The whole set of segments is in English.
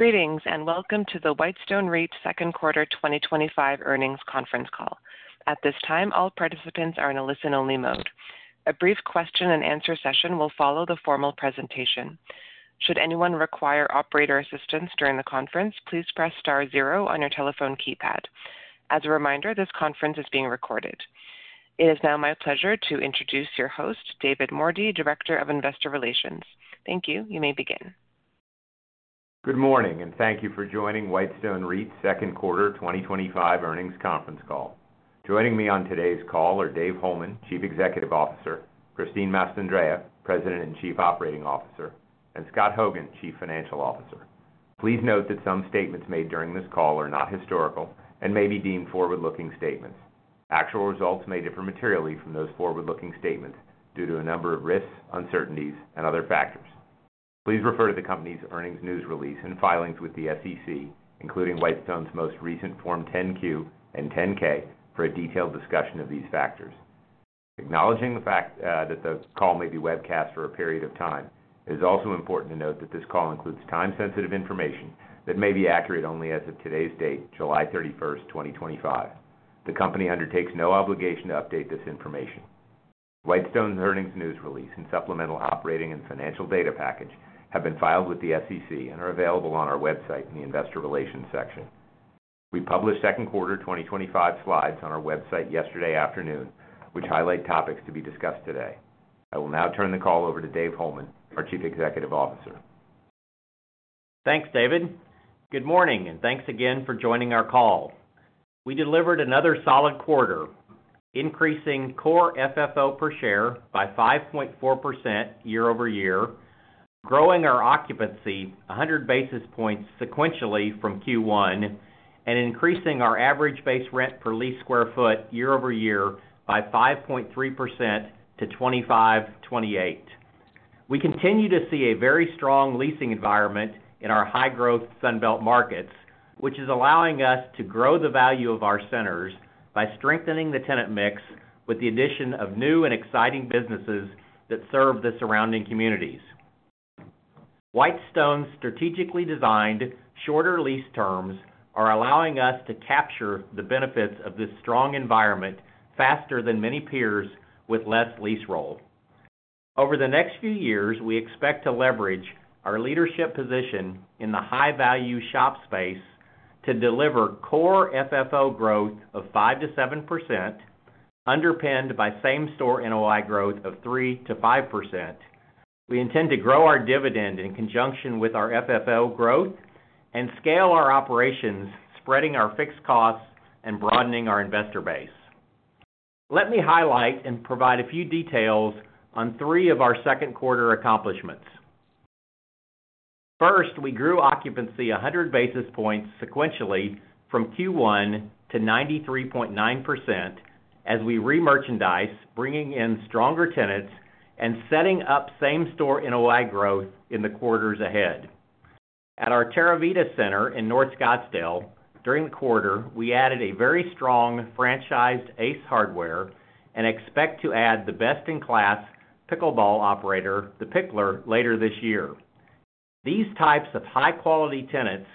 Greetings and welcome to the Whitestone REIT second quarter 2025 earnings conference call. At this time, all participants are in a listen-only mode. A brief question and answer session will follow the formal presentation. Should anyone require operator assistance during the conference, please press star zero on your telephone keypad. As a reminder, this conference is being recorded. It is now my pleasure to introduce your host, David Mordy, Director of Investor Relations. Thank you. You may begin. Good morning and thank you for joining Whitestone REIT second quarter 2025 earnings conference call. Joining me on today's call are Dave Holeman, Chief Executive Officer, Christine Mastandrea, President and Chief Operating Officer, and Scott Hogan, Chief Financial Officer. Please note that some statements made during this call are not historical and may be deemed forward-looking statements. Actual results may differ materially from those forward-looking statements due to a number of risks, uncertainties, and other factors. Please refer to the company's earnings news release and filings with the SEC, including Whitestone's most recent Form 10-Q and Form 10-K, for a detailed discussion of these factors. Acknowledging the fact that the call may be webcast for a period of time, it is also important to note that this call includes time-sensitive information that may be accurate only as of today's date, July 31st, 2025. The company undertakes no obligation to update this information. Whitestone's earnings news release and supplemental operating and financial data package have been filed with the SEC and are available on our website in the Investor Relations section. We published second quarter 2025 slides on our website yesterday afternoon, which highlight topics to be discussed today. I will now turn the call over to Dave Holeman, our Chief Executive Officer. Thanks David, good morning and thanks again for joining our call. We delivered another solid quarter, increasing core FFO per share by 5.4% year-over-year, growing our occupancy 100 basis points sequentially from Q1, and increasing our average base rent per leased sq ft year-over-year by 5.3% to $25.28. We continue to see a very strong leasing environment in our high-growth Sun Belt markets, which is allowing us to grow the value of our centers by strengthening the tenant mix with the addition of new and exciting businesses that serve the surrounding communities. Whitestone's strategically designed shorter lease terms are allowing us to capture the benefits of this strong environment faster than many peers with less lease roll. Over the next few years, we expect to leverage our leadership position in the high-value shop space to deliver core FFO growth of 5%-7%, underpinned by same store NOI growth of 3%-5%. We intend to grow our dividend in conjunction with our FFO growth and scale our operations, spreading our fixed costs and broadening our investor base. Let me highlight and provide a few details on three of our second quarter accomplishments. First, we grew occupancy 100 basis points sequentially from Q1 to 93.9% as we remerchandised, bringing in stronger tenants and setting up same store NOI growth in the quarters ahead. At our Terravita center in North Scottsdale during the quarter, we added a very strong franchise, Ace Hardware, and expect to add the best-in-class pickleball operator, The Picklr, later this year. These types of high-quality tenants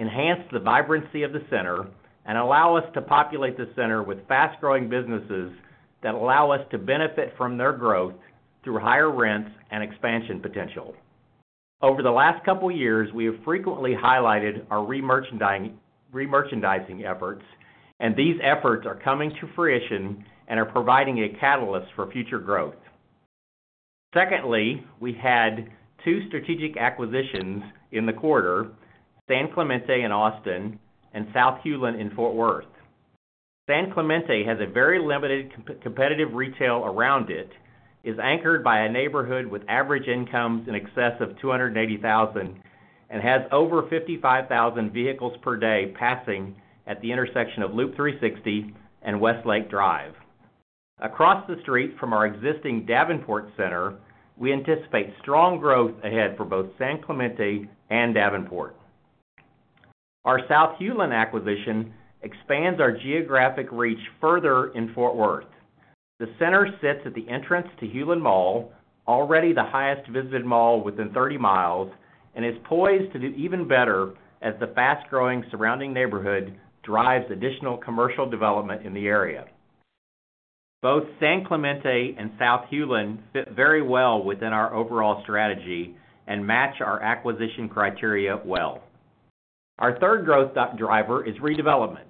enhance the vibrancy of the center and allow us to populate the center with fast-growing businesses that allow us to benefit from their growth through higher rents and expansion potential. Over the last couple of years, we have frequently highlighted our remerchandising efforts, and these efforts are coming to fruition and are providing a catalyst for future growth. Secondly, we had two strategic acquisitions in the quarter, San Clemente in Austin and South Hulen in Fort Worth. San Clemente has very limited competitive retail around it, is anchored by a neighborhood with average incomes in excess of $280,000, and has over 55,000 vehicles per day passing at the intersection of Loop 360 and West Lake Drive, across the street from our existing Davenport center. We anticipate strong growth ahead for both San Clemente and Davenport. Our South Hulen acquisition expands our geographic reach further. In Fort Worth, the center sits at the entrance to Hulen Mall, already the highest visited mall within 30 mi, and is poised to do even better as the fast-growing surrounding neighborhood drives additional commercial development in the area. Both San Clemente and South Hulen fit very well within our overall strategy and match our acquisition criteria well. Our third growth driver is redevelopment.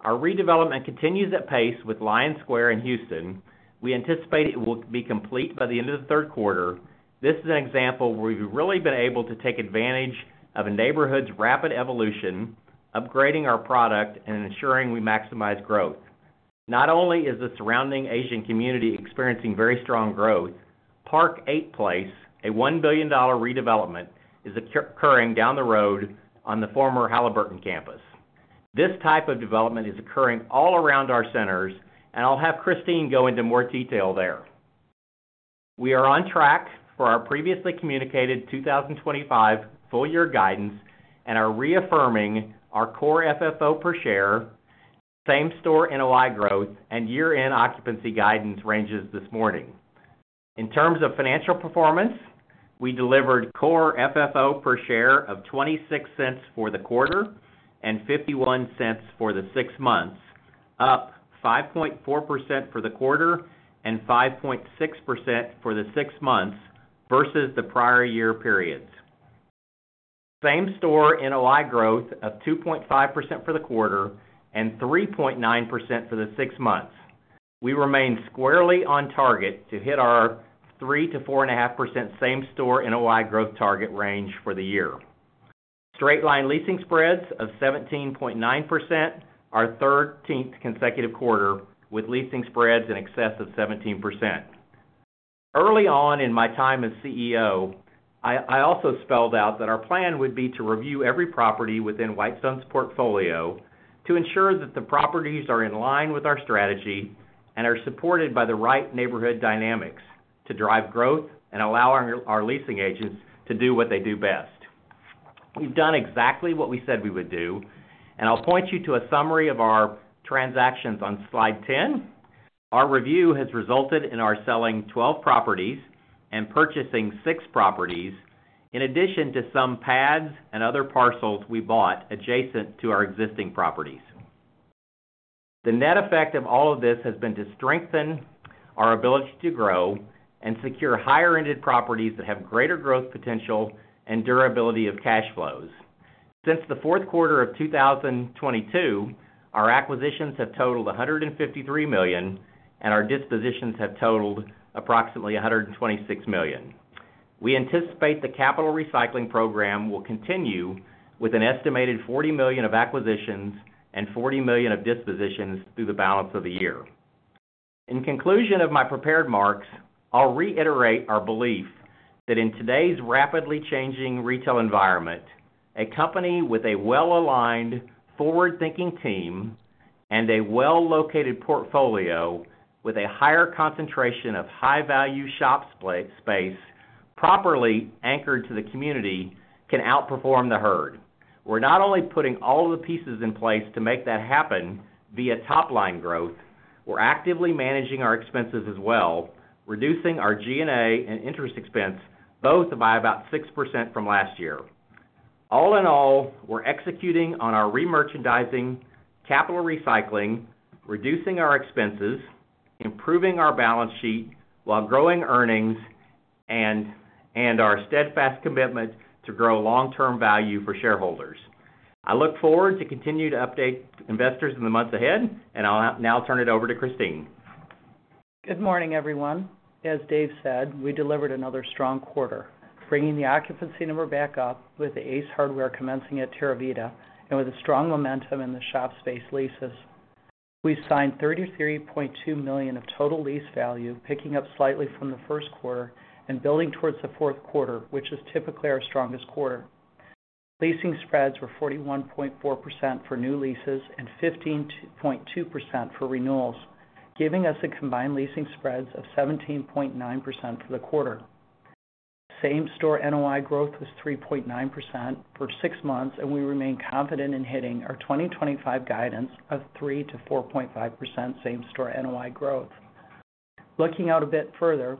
Our redevelopment continues at pace with Lion Square in Houston. We anticipate it will be complete by the end of the third quarter. This is an example where we've really been able to take advantage of a neighborhood's rapid evolution, upgrading our product and ensuring we maximize growth. Not only is the surrounding Asian community experiencing very strong growth, Park Eight Place, a $1 billion redevelopment, is occurring down the road on the former Halliburton campus. This type of development is occurring all around our centers, and I'll have Christine go into more detail there. We are on track for our previously communicated 2025 full year guidance and are reaffirming our core FFO per share, same store NOI growth, and year-end occupancy guidance ranges this morning. In terms of financial performance, we delivered core FFO per share of $0.26 for the quarter and $0.51 for the six months, up 5.4% for the quarter and 5.6% for the six months versus the prior year periods. Same store NOI growth of 2.5% for the quarter and 3.9% for the six months. We remain squarely on target to hit our 3%-4.5% same store NOI growth target range for the year. Straight line leasing spreads of 17.9%, our 13th consecutive quarter with leasing spreads in excess of 17%. Early on in my time as CEO, I also spelled out that our plan would be to review every property within Whitestone REIT's portfolio to ensure that the properties are in line with our strategy and are supported by the right neighborhood dynamics to drive growth and allow our leasing agents to do what they do best. We've done exactly what we said we would do, and I'll point you to a summary of our transactions on slide 10. Our review has resulted in our selling 12 properties and purchasing six properties, in addition to some pads and other parcels we bought adjacent to our existing properties. The net effect of all of this has been to strengthen our ability to grow and secure higher-end properties that have greater growth potential and durability of cash flows. Since the fourth quarter of 2022, our acquisitions have totaled $153 million and our dispositions have totaled approximately $126 million. We anticipate the capital recycling program will continue with an estimated $40 million of acquisitions and $40 million of dispositions through the balance of the year. In conclusion of my prepared remarks, I'll reiterate our belief that in today's rapidly changing retail environment, a company with a well-aligned forward-thinking team and a well-located portfolio with a higher concentration of high-value shop space properly anchored to the community can outperform the herd. We're not only putting all the pieces in place to make that happen via top line growth, we're actively managing our expenses as well, reducing our G&A and interest expense both by about 6% from last year. All in all, we're executing on our remerchandising, capital recycling, reducing our expenses, improving our balance sheet while growing earnings and our steadfast commitment to grow long-term value for shareholders. I look forward to continue to update investors in the months ahead and I'll now turn it over to Christine. Good morning everyone. As Dave said, we delivered another strong quarter, bringing the occupancy number back up with the Ace Hardware commencing at Terravita and with strong momentum in the shop space leases. We signed $33.2 million of total lease value, picking up slightly from the first quarter and building towards the fourth quarter, which is typically our strongest quarter. Leasing spreads were 41.4% for new leases and 15.2% for renewals, giving us a combined leasing spread of 17.9% for the quarter. Same store NOI growth was 3.9% for six months, and we remain confident in hitting our 2025 guidance of 3%-4.5% same store NOI growth. Looking out a bit further,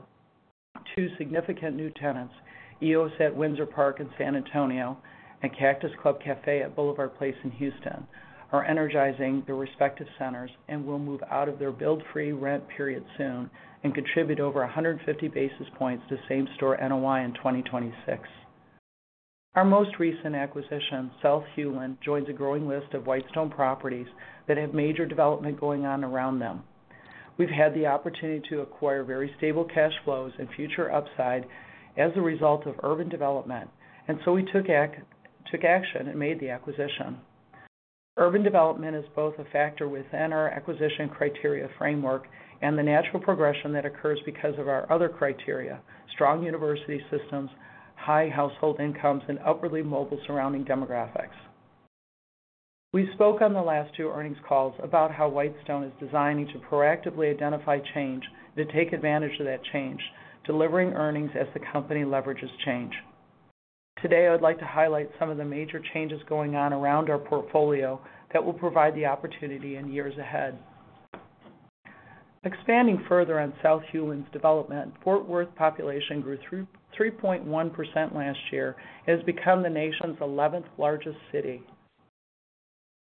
two significant new tenants, EoS at Windsor Park in San Antonio and Cactus Club Cafe at BLVD Place in Houston, are energizing their respective centers and will move out of their build free rent period soon and contribute over 150 basis points to same store NOI in 2026. Our most recent acquisition, South Hulen, joins a growing list of Whitestone properties that have major development going on around them. We've had the opportunity to acquire very stable cash flows and future upside as a result of urban development, and we took action and made the acquisition. Urban development is both a factor within our acquisition criteria framework and the natural progression that occurs because of our other criteria: strong university systems, high household incomes, and upwardly mobile surrounding demographics. We spoke on the last two earnings calls about how Whitestone is designing to proactively identify change to take advantage of that change, delivering earnings as the company leverages change. Today, I'd like to highlight some of the major changes going on around our portfolio that will provide the opportunity in years ahead. Expanding further on South Hulen's development, Fort Worth population grew 3.1% last year and has become the nation's 11th largest city.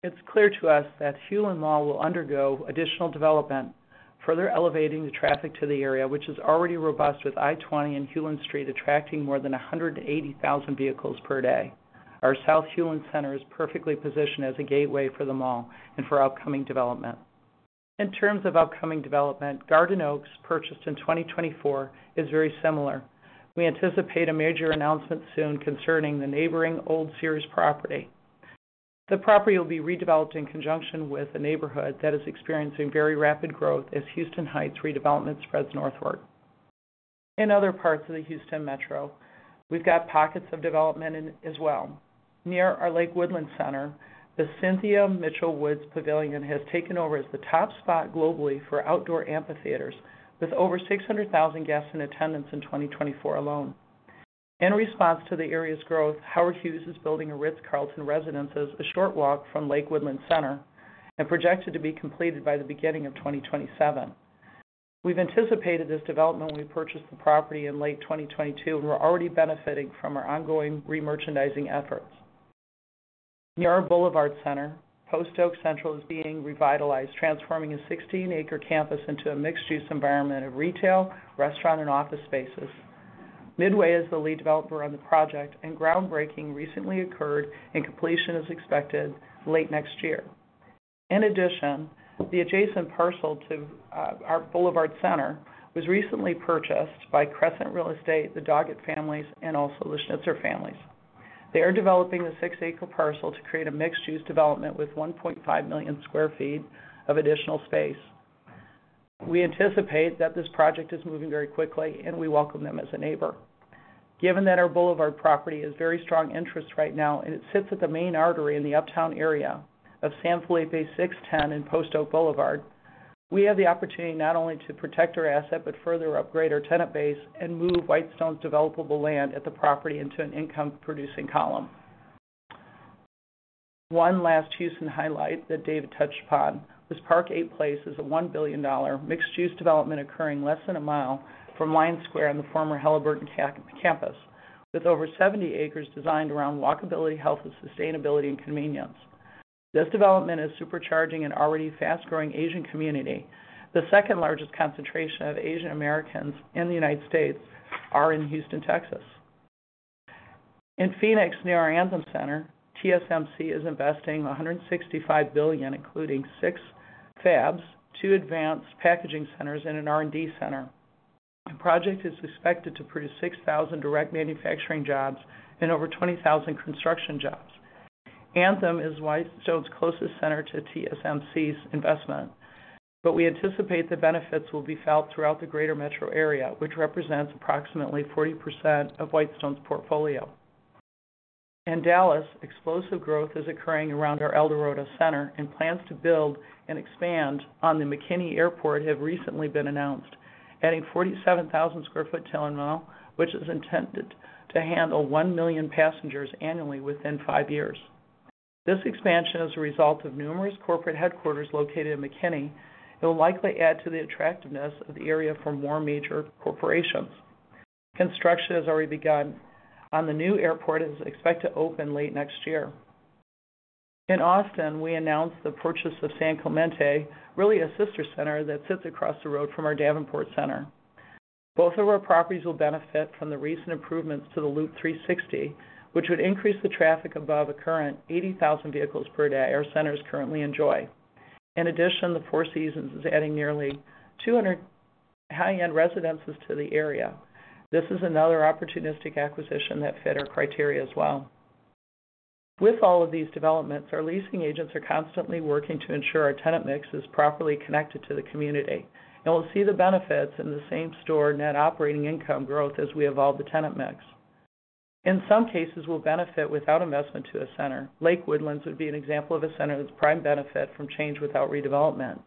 It's clear to us that Hulen Mall will undergo additional development, further elevating the traffic to the area, which is already robust. With I-20 and Hulen Street attracting more than 180,000 vehicles per day, our South Hulen center is perfectly positioned as a gateway for the mall and for upcoming development. In terms of upcoming development, Garden Oaks, purchased in 2024, is very similar. We anticipate a major announcement soon concerning the neighboring old Sears property. The property will be redeveloped in conjunction with a neighborhood that is experiencing very rapid growth as Houston Heights redevelopment spreads northward. In other parts of the Houston metro, we've got pockets of development as well. Near our Lake Woodlands Center, the Cynthia Mitchell Woods Pavilion has taken over as the top spot globally for outdoor amphitheaters with over 600,000 guests in attendance in 2024 alone. In response to the area's growth, Howard Hughes is building a Ritz Carlton Residences a short walk from Lake Woodlands Center and projected to be completed by the beginning of 2027. We've anticipated this development when we purchased the property in late 2022 and we're already benefiting from our ongoing remerchandising efforts. Near our Boulevard Center, Post Oak Central is being revitalized, transforming a 16-acre campus into a mixed-use environment of retail, restaurant, and office spaces. Midway is the lead developer on the project and groundbreaking recently occurred, and completion is expected late next year. In addition, the adjacent parcel to our Boulevard Center was recently purchased by Crescent Real Estate, the Doggett families, and also the Schnitzer families. They are developing a 6-acre parcel to create a mixed-use development with 1.5 million sq ft of additional space. We anticipate that this project is moving very quickly and we welcome them as a neighbor. Given that our Boulevard property has very strong interest right now and it sits at the main artery in the uptown area of San Felipe 610 in Post Oak Boulevard, we have the opportunity not only to protect our asset, but further upgrade our tenant base and move Whitestone's developable land at the property into an income-producing column. One last Houston highlight that David touched upon was Park Eight Place, a $1 billion mixed-use development occurring less than a mile from Lion Square on the former Halliburton campus. With over 70 acres designed around walkability, health, sustainability, and convenience, this development is supercharging an already fast-growing Asian community. The second largest concentration of Asian Americans in the United States are in Houston, Texas. In Phoenix, near our Anthem Center, TSMC is investing $165 billion including six Fabs, two advanced packaging centers, and an R&D center. The project is expected to produce 6,000 direct manufacturing jobs and over 20,000 construction jobs. Anthem is Whitestone's closest center to TSMC's investment, but we anticipate the benefits will be felt throughout the greater metro area, which represents approximately 40% of Whitestone's portfolio. In Dallas, explosive growth is occurring around our El Dorado center, and plans to build and expand on the McKinney Airport have recently been announced, adding a 47,000 sq ft tiller mile, which is intended to handle 1 million passengers annually within five years. This expansion is a result of numerous corporate headquarters located in McKinney. It will likely add to the attractiveness of the area for more major corporations. Construction has already begun on the new airport, which is expected to open late next year. In Austin, we announced the purchase of San Clemente, really a sister center that sits across the road from our Davenport Center. Both of our properties will benefit from the recent improvements to the Loop 360, which would increase the traffic above a current 80,000 vehicles per day our centers currently enjoy. In addition, the Four Seasons is adding nearly 200 high-end residences to the area. This is another opportunistic acquisition that fit our criteria as well. With all of these developments, our leasing agents are constantly working to ensure our tenant mix is properly connected to the community, and we'll see the benefits in the same store NOI growth as we evolve the tenant mix. In some cases, we'll benefit without investment to a center. Lake Woodlands would be an example of a center that's prime to benefit from change without redevelopment.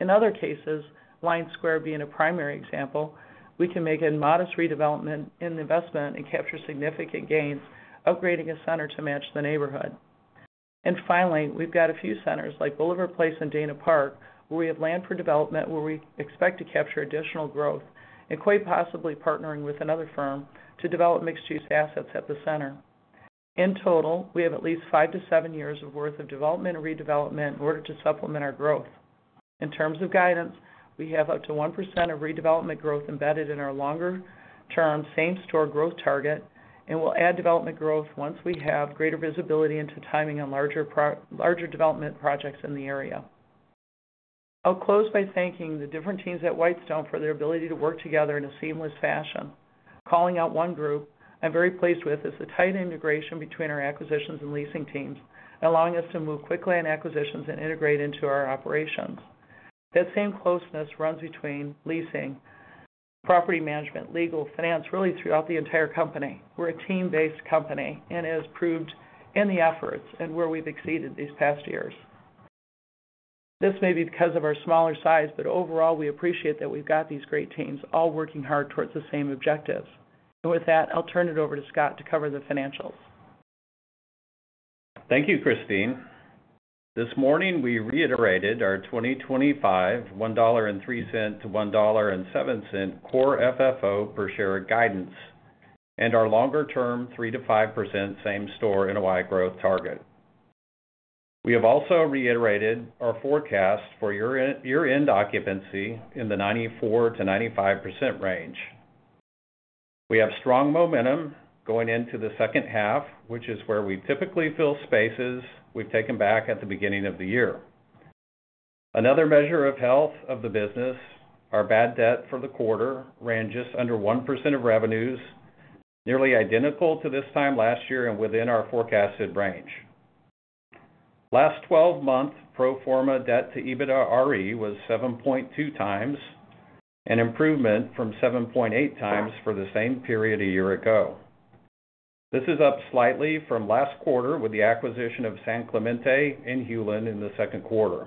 In other cases, Lion Square being a primary example, we can make a modest redevelopment investment and capture significant gains upgrading a center to match the neighborhood. Finally, we've got a few centers like BLVD Place and Dana Park where we have land for development, where we expect to capture additional growth and quite possibly partnering with another firm to develop mixed-use assets at the center. In total, we have at least five to seven years' worth of development and redevelopment in order to supplement our growth. In terms of guidance, we have up to 1% of redevelopment growth embedded in our longer-term same store growth target and will add development growth once we have greater visibility into timing on larger development projects in the area. I'll close by thanking the different teams at Whitestone for their ability to work together in a seamless fashion. Calling out one group I'm very pleased with is the tight integration between our acquisitions and leasing teams, allowing us to move quickly in acquisitions and integrate into our operations. That same closeness runs between leasing, property management, legal, finance, really throughout the entire company. We're a team-based company and it has proved in the efforts and where we've exceeded these past years. This may be because of our smaller size, but overall we appreciate that we've got these great teams all working hard towards the same objectives, and with that I'll turn it over to Scott to cover the financials. Thank you, Christine. This morning we reiterated our 2025 $1.03-$1.07 core FFO per share guidance and our longer-term 3%-5% same store NOI growth target. We have also reiterated our forecast for year-end occupancy in the 94%-95% range. We have strong momentum going into the second half, which is where we typically fill spaces we've taken back at the beginning of the year, another measure of health of the business. Our bad debt for the quarter ran just under 1% of revenues, nearly identical to this time last year and within our forecasted range. Last 12 month pro forma debt to EBITDAre was 7.2x, an improvement from 7.8x for the same period a year ago. This is up slightly from last quarter with the acquisition of San Clemente and South Hulen in the second quarter.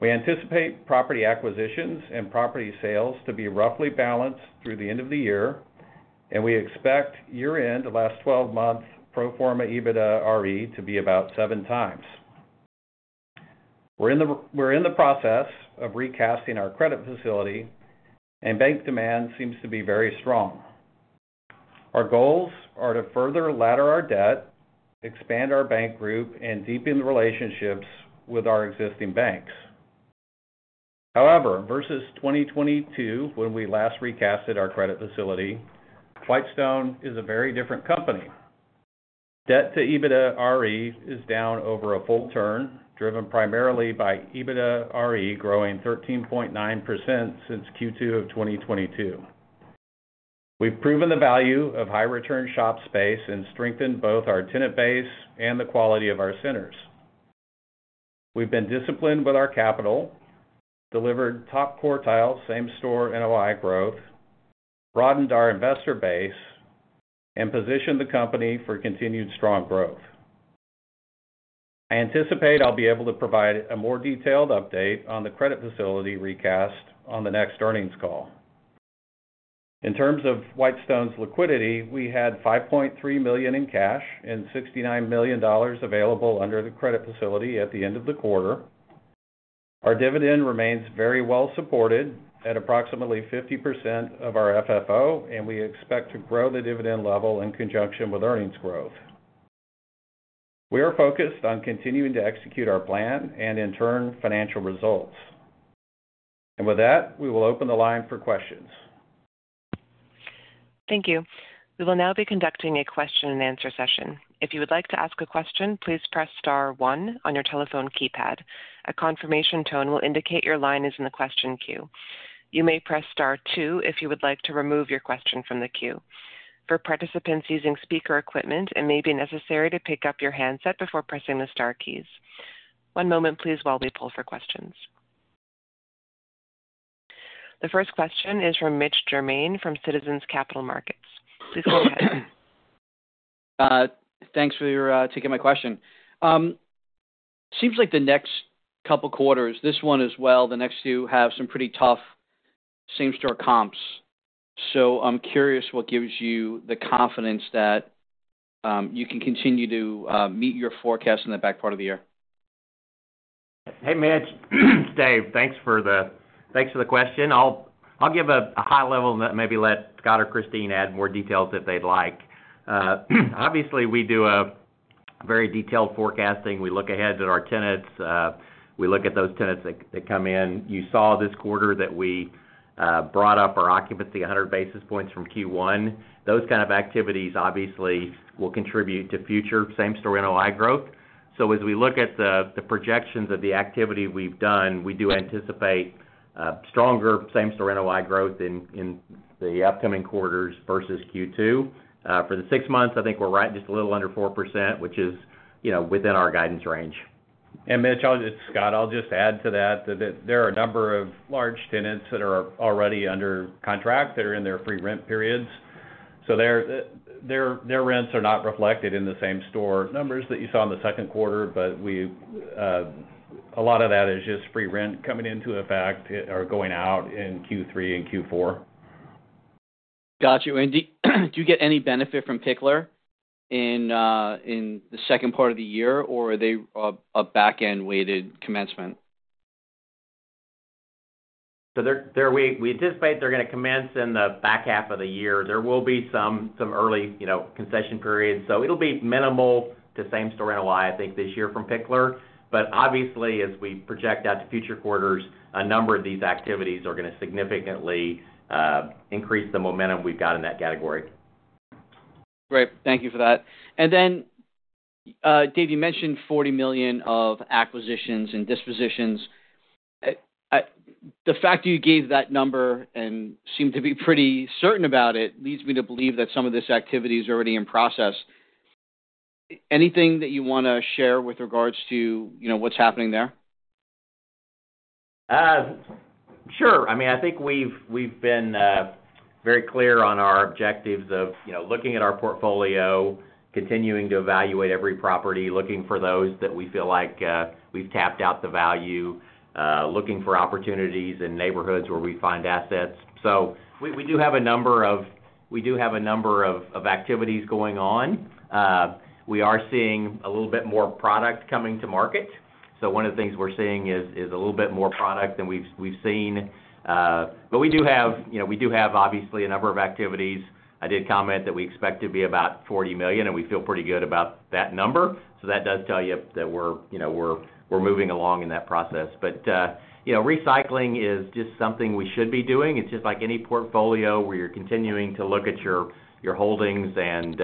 We anticipate property acquisitions and property sales to be roughly balanced through the end of the year, and we expect year-end last 12 months pro forma EBITDAre to be about 7x. We're in the process of recasting our credit facility and bank demand seems to be very strong. Our goals are to further ladder our debt, expand our bank group, and deepen relationships with our existing banks. However, versus 2022 when we last recast our credit facility, Whitestone is a very different company. Debt to EBITDAre is down over a full turn, driven primarily by EBITDAre growing 13.9% since Q2 of 2022. We've proven the value of high return shop space and strengthened both our tenant base and the quality of our centers. We've been disciplined with our capital, delivered top quartile same store NOI growth, broadened our investor base, and positioned the company for continued strong growth. I anticipate I'll be able to provide a more detailed update on the credit facility recast on the next earnings call. In terms of Whitestone REIT's liquidity, we had $5.3 million in cash and $69 million available under the credit facility at the end of the quarter. Our dividend remains very well supported at approximately 50% of our FFO, and we expect to grow the dividend level in conjunction with earnings growth. We are focused on continuing to execute our plan and in turn financial results, and with that we will open the line for questions. Thank you. We will now be conducting a question and answer session. If you would like to ask a question, please press star one on your telephone keypad. A confirmation tone will indicate your line is in the question queue. You may press star two if you would like to remove your question from the queue. For participants using speaker equipment, it may be necessary to pick up your handset before pressing the star keys. One moment please while we poll for questions. The first question is from Mitch Germain from Citizens Capital Market. Please go ahead. Thanks for taking my question. Seems like the next couple quarters, this one as well, the next few have some pretty tough same store comps. I'm curious, what gives you the confidence that you can continue to meet your forecast in the back part of the year? Hey, Mitch, it's Dave, thanks for the question. I'll give a high level that maybe let Scott or Christine add more details if they'd like. Obviously, we do a very detailed forecasting. We look ahead at our tenants. We look at those tenants that come in. You saw this quarter that we brought up our occupancy 100 basis points from Q1. Those kind of activities obviously will contribute to future same store NOI growth. As we look at the projections of the activity we've done, we do anticipate stronger same store NOI growth in the upcoming quarters versus Q2 for the six months. I think we're right just a little under 4%, which is, you know, within our guidance range. Mitch, it's Scott. I'll just add to that. There are a number of large tenants that are already under contract that are in their free rent periods. Their rents are not reflected in the same store numbers that you saw in the second quarter. A lot of that is just free rent coming into effect or going out in Q3 and Q4. Got you. Do you get any benefit from The Picklr in the second part of the year, or are they a back-end weighted commencement? We anticipate they're going to commence in the back half of the year. There will be some early concession periods, so it'll be minimal to same store in a li I think this year from The Picklr. Obviously, as we project out to future quarters, a number of these activities are going to significantly increase the momentum we've got in that category. Great. Thank you for that. Dave, you mentioned $40 million of acquisitions and dispositions. The fact you gave that number and seemed to be pretty certain about it leads me to believe that some of this activity is already in process. Anything that you want to share with regards to what's happening there? Sure. I think we've been very clear on our objectives of looking at our portfolio, continuing to evaluate every property, looking for those that we feel like we've tapped out the value, looking for opportunities in neighborhoods where we find assets. We do have a number of activities going on. We are seeing a little bit more product coming to market. One of the things we're seeing is a little bit more product than we've seen, but we do have a number of activities. I did comment that we expect to be about $40 million and we feel pretty good about that number. That does tell you that we're moving along in that process. Recycling is just something we should be doing. It's just like any portfolio where you're continuing to look at your holdings and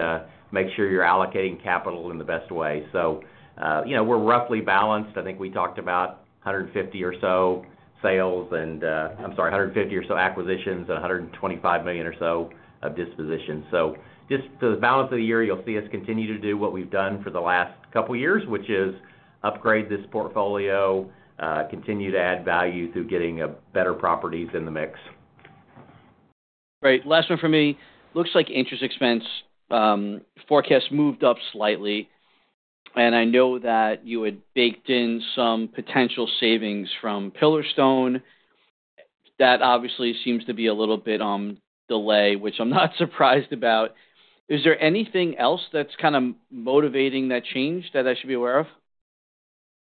make sure you're allocating capital in the best way. We're roughly balanced. I think we talked about $150 million or so acquisitions, $125 million or so of dispositions. For the balance of the year, you'll see us continue to do what we've done for the last couple years, which is upgrade this portfolio and continue to add value through getting better properties in the mix. Right, last one for me. Looks like interest expense forecast moved up slightly. I know that you had baked in some potential savings from Pillarstone that obviously seems to be a little bit delayed, which I'm not surprised about. Is there anything else that's kind of motivating that change that I should be aware of?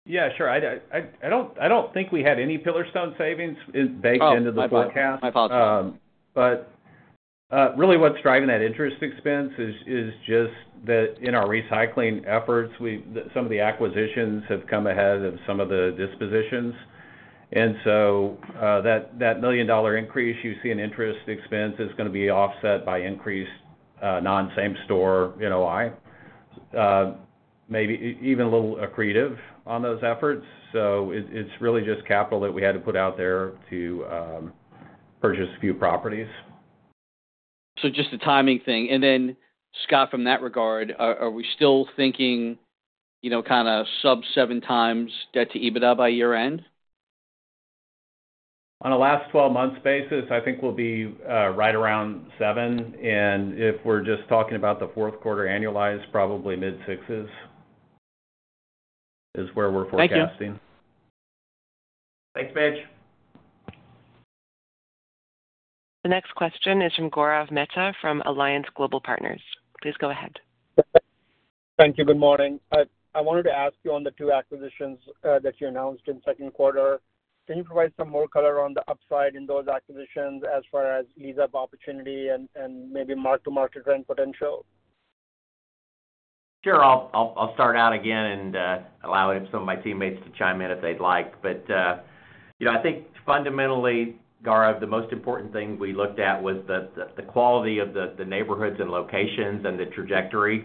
Yeah, sure. I don't think we had any Pillarstone. Savings baked into the forecast. What's driving that interest expense is just that in our recycling efforts, some of the acquisitions have come ahead of some of the dispositions. That $1 million increase you see in interest expense is going to be offset by increased non same store NOI, maybe even a little accretive on those efforts. It's really just capital that we had to put out there to purchase a few properties. Is just a timing thing. Scott, from that regard, are we still thinking, you know, kind of sub 7x debt to EBITDAre by year end? On a last 12 months basis, I think we'll be right around 7x. If we're just talking about the fourth quarter annualized, probably mid 6x is where we're forecasting. Thank you. Thanks, Mitch. The next question is from Gaurav Mehta from Alliance Global Partners. Please go ahead. Thank you. Good morning. I wanted to ask you on the 2 acquisitions that you announced in the second quarter, can you provide some more color on the upside in those acquisitions as far as lease up opportunity and maybe mark to market rent potential? Sure. I'll start out again and allow some of my teammates to chime in if they'd like. I think fundamentally, Gaurav, the most important thing we looked at was the quality of the neighborhoods and locations and the trajectory.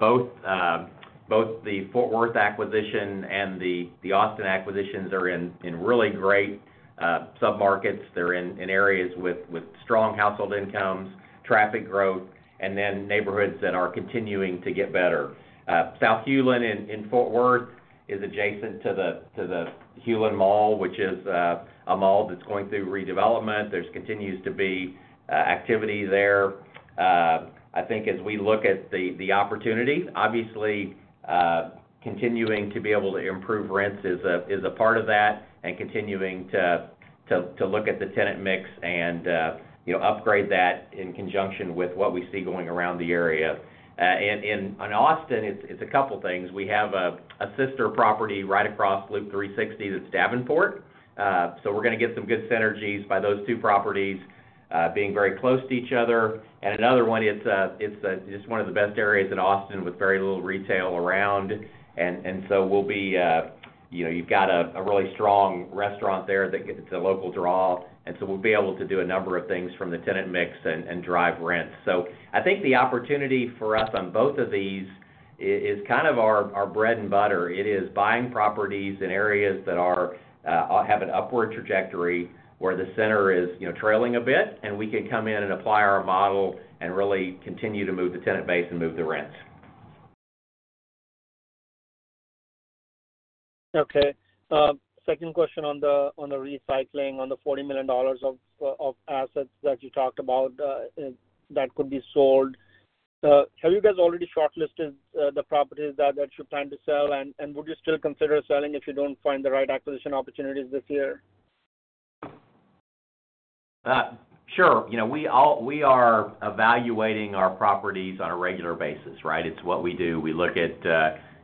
Both the Fort Worth acquisition and the Austin acquisitions are in really great sub markets. They're in areas with strong household incomes, traffic growth, and neighborhoods that are continuing to get better. South Hulen in Fort Worth is adjacent to the Hulen Mall, which is a mall that's going through redevelopment. There continues to be activity there. I think as we look at the opportunity, obviously continuing to be able to improve rents is a part of that and continuing to look at the tenant mix and upgrade that in conjunction with what we see going around the area. In Austin, it's a couple things. We have a sister property right across Loop 360, that's Davenport. We're going to get some good synergies by those two properties being very close to each other. Another one, it's just one of the best areas in Austin with very little retail around. You've got a really strong restaurant there that gets a local draw. We'll be able to do a number of things from the tenant mix and drive rent. I think the opportunity for us on both of these is kind of our bread and butter. It is buying properties in areas that have an upward trajectory where the center is trailing a bit, and we can come in and apply our model and really continue to move the tenant base and move the rents. Okay, second question on the recycling, on the $40 million of assets that you talked about that could be sold, have you guys already shortlisted the properties that you plan to sell, and would you still consider selling if you don't find the right acquisition opportunities this year? Sure. We are evaluating our properties on a regular basis. It's what we do. We look at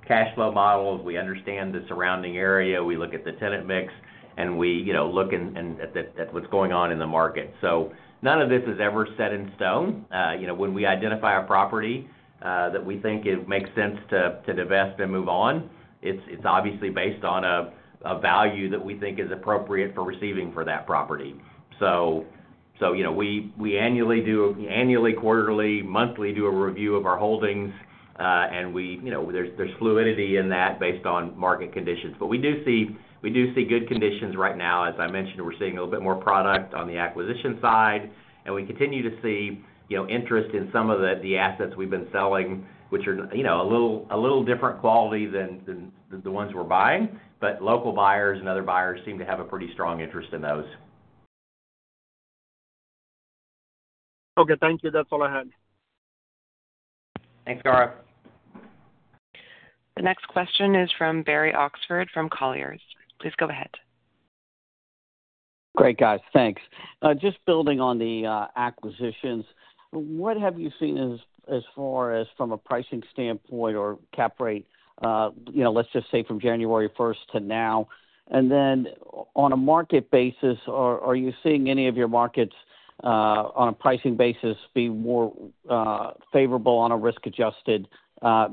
cash flow models, we understand the surrounding area, we look at the tenant mix, and we look at what's going on in the market. None of this is ever set in stone. When we identify a property that we think it makes sense to divest and move on, it's obviously based on a value that we think is appropriate for receiving for that property. We annually, quarterly, and monthly do a review of our holdings, and there's fluidity in that based on market conditions. We do see good conditions. Right now, as I mentioned, we're seeing a little bit more product on the acquisition side. We continue to see interest in some of the assets we've been selling, which are a little different quality than the ones we're buying. Local buyers and other buyers seem to have a pretty strong interest in those. Okay, thank you. That's all I had. Thanks, Gaurav. The next question is from Barry Oxford from Colliers. Please go ahead. Great, guys, thanks. Just building on the acquisitions, what have you seen as far as from a pricing standpoint or cap rate, you know, let's just say from January 1st to now, and then on a market basis, are you seeing any of your markets on a pricing basis be more favorable on a risk-adjusted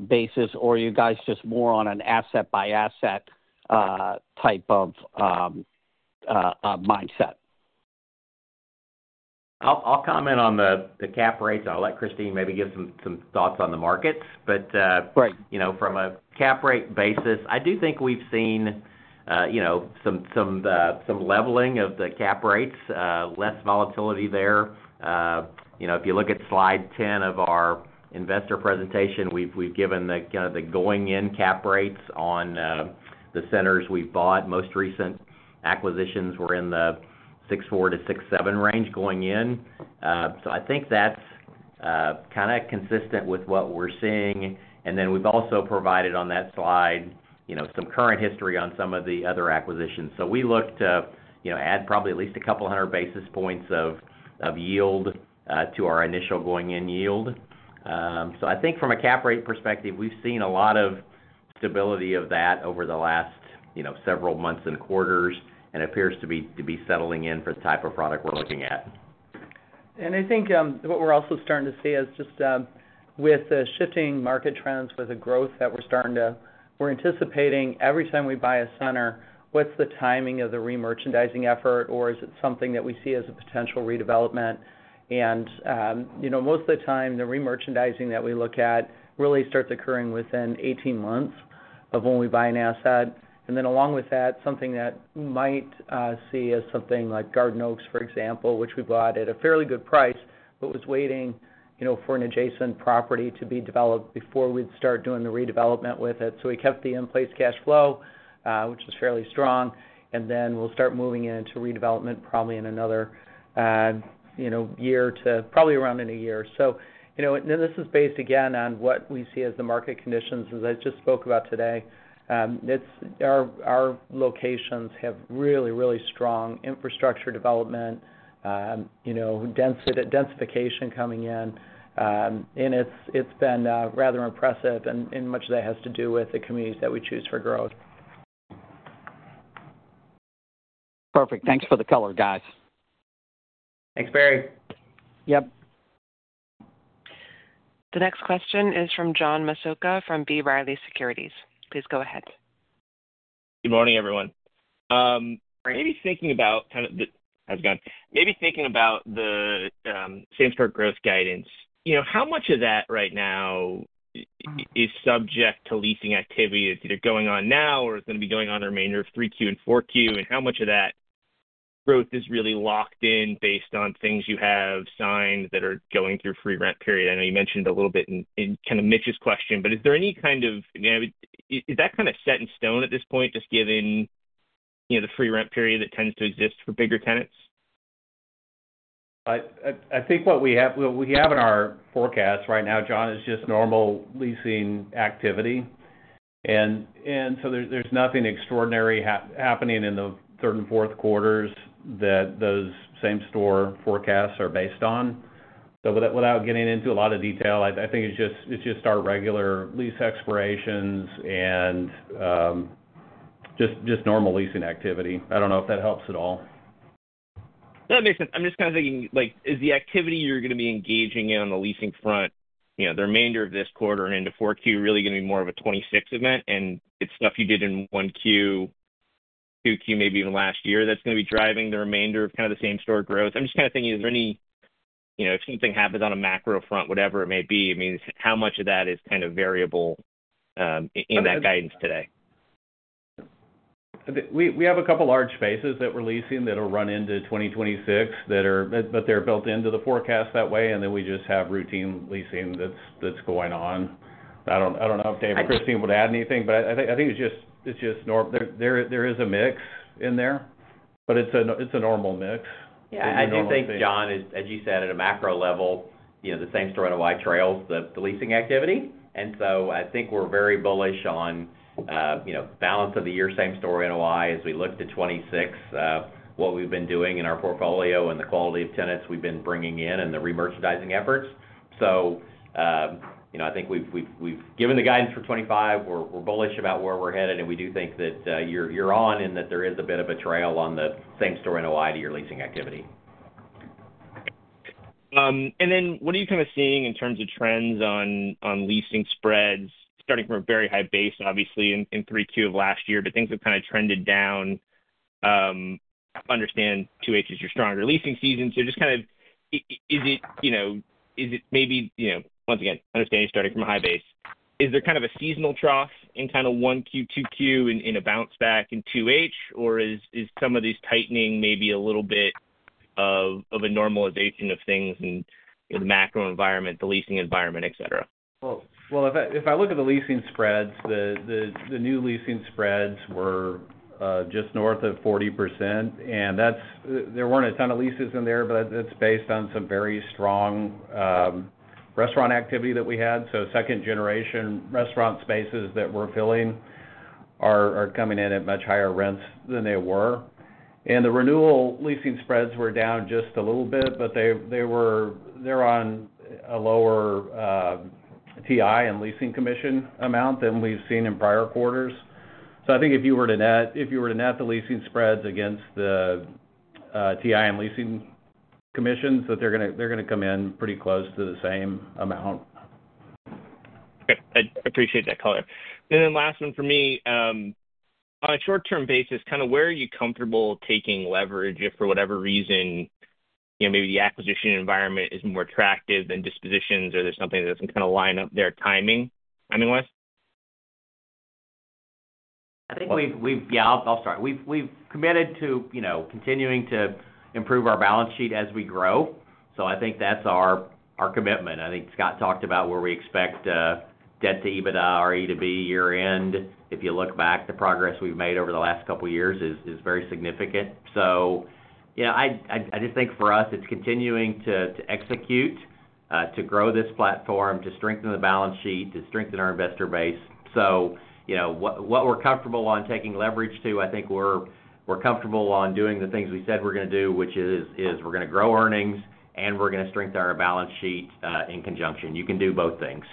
basis, or are you guys just more on an asset by asset type of? I'll comment on the cap rates. I'll let Christine maybe give some thoughts on the markets. From a cap rate basis, I do think we've seen some leveling of the cap rates, less volatility there. If you look at slide 10 of our investor presentation, we've given the going in cap rates on the centers we've bought. Most recent acquisitions were in the 6.4%-6.7% range going in. I think that's kind of consistent with what we're seeing. We've also provided on that slide some current history on some of the other acquisitions. We look to add probably at least a couple hundred basis points of yield to our initial going in yield. From a cap rate perspective, we've seen a lot of stability of that over the last several months and quarters and it appears to be settling in for the type of product we're looking at. I think what we're also starting to see is just with the shifting market trends, with the growth that we're starting to, we're anticipating every time we buy a center. What's the timing of the remerchandising effort? Is it something that we see as a potential redevelopment? Most of the time the remerchandising that we look at really starts occurring within 18 months of when we buy an asset. Along with that, something that might see as something like Garden Oaks, for example, which we bought at a fairly good price, but was waiting for an adjacent property to be developed before we'd start doing the redevelopment with it. We kept the in place cash flow, which is fairly strong, and then we'll start moving into redevelopment probably in another year to probably around in a year. This is based again on what we see as the market conditions. As I just spoke about today, our locations have really, really strong infrastructure development, densification coming in, and it's been rather impressive and much that has to do with the communities that we choose for growth. Perfect. Thanks for the color, guys. Thanks, Barry. Yep. The next question is from John Massocca from B. Riley Securities. Please go ahead. Good morning, everyone. Maybe thinking about how's it going? Maybe thinking about the same store NOI growth guidance. How much of that right now is subject to leasing activity that's either going on now or it's going to be going on the remainder of 3Q and 4Q? How much of that growth is really locked in based on things you have signed that are going through free rent period? I know you mentioned a little bit in kind of Mitch's question, but is there any kind of, is that kind of set in stone at this point just given, you know, the free rent period that tends to exist for bigger tenants? I think what we have in our forecast right now, John, is just normal leasing activity. There is nothing extraordinary happening in the third and fourth quarters that those same store forecasts are based on. Without getting into a lot of detail, I think it's just our regular lease expirations. Just. Just normal leasing activity. I don't know if that helps. All that makes sense. I'm just kind of thinking, is the activity you're going to be engaging in on the leasing front, you know. The remainder of this quarter and into. 4Q really going to be more of a 2026 event? It's stuff you did in 1Q, 2Q, maybe even last year, that's going to be driving the remainder of kind of the same store growth. I'm just kind of thinking, is there any, you know, if something happens on a macro front, whatever it may be, it means how much of that is kind of variable in that guidance. Today. We have a couple large spaces that we're leasing that'll run into 2026 that are built into the forecast that way. We just have routine leasing that's going on. I don't know if Dave or Christine would add anything, but I think it's just normal. There is a mix in there, but it's a normal mix. Yeah. I don't think, John, as you said, at a macro level, the same store trails the leasing activity. I think we're very bullish on the balance of the year. Same store NOI as we look to 2026, what we've been doing in our portfolio and the quality of tenants we've been bringing in and the remerchandising efforts. I think we've given the guidance for 2025. We're bullish about where we're headed and we do think that you're on and that there is a bit of a trail on the same store NOI or leasing activity. What are you kind of. Seeing in terms of trends on leasing spreads, starting from a very high base, obviously in 3Q of last year, things have kind of trended down. I understand 2H is your stronger leasing season. Is it, you know, maybe, you know, once again understanding starting from a high base, is there kind of a seasonal trough in 1Q, 2Q and a bounce back in 2H, or is some of this tightening maybe a little bit of a normalization of things and the macro environment, the leasing environment, et cetera? If I look at the leasing spreads, the new leasing spreads were just north of 40% and there weren't a ton of leases in there. That's based on some very strong restaurant activity that we had. Second generation restaurant spaces that we're filling are coming in at much higher rents than they were. The renewal leasing spreads were down just a little bit, but they're on a lower TI and leasing commission amount than we've seen in prior quarters. I think if you were to net the leasing spreads against the TI and leasing commissions, they're going to come in pretty close to the same amount. I appreciate that color. Last one for me, on a short term basis, kind of where. Are you comfortable taking leverage? If for whatever reason maybe the acquisition environment is more attractive than dispositions, or there's something that doesn't kind of line up their timing. I think I'll start. We've committed to continuing to improve our balance sheet as we grow. That's our commitment. I think Scott talked about where we expect debt to EBITDAre year end. If you look back, the progress we've made over the last couple years is very significant. I just think for us it's continuing to execute, to grow this platform, to strengthen the balance sheet, to strengthen our investor base. We're comfortable on taking leverage to. I think we're comfortable on doing the things we said we're going to do, which is we're going to grow earnings and we're going to strengthen our balance sheet in conjunction. You can do both things.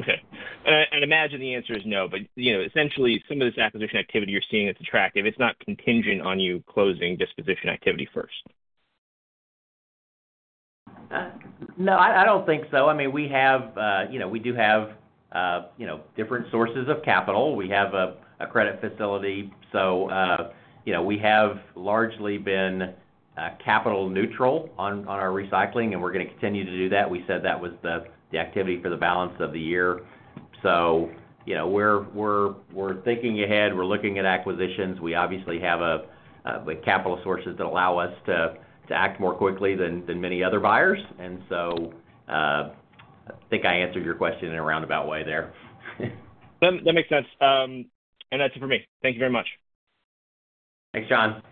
Okay. I'd imagine the answer is no, but essentially, some of this acquisition activity you're seeing that's attractive, it's not contingent on you closing disposition activity first? No, I don't think so. I mean, we have different sources of capital. We have a credit facility. We have largely been capital neutral on our recycling and we're going to continue to do that. We said that was the activity for the balance of the year. We're thinking ahead. We're looking at acquisitions. We obviously have capital sources that allow us to act more quickly than many other buyers. I think I answered your question in a roundabout way there. That makes sense. That's it for me. Thank you very much. Thanks, John.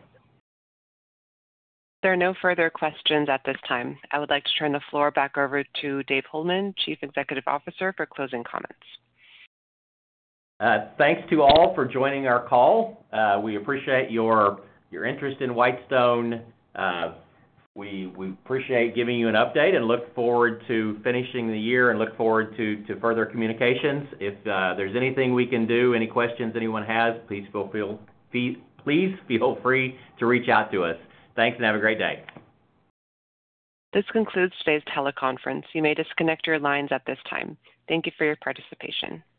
There are no further questions at this time. I would like to turn the floor back over to Dave Holeman, Chief Executive Officer, for closing comments. Thanks to all for joining our call. We appreciate your interest in Whitestone, we appreciate giving you an update and look forward to finishing the year and look forward to further communications. If there's anything we can do, any questions anyone has, please feel free. Please feel free to reach out to us. Thanks and have a great day. This concludes today's teleconference. You may disconnect your lines at this time. Thank you for your participation.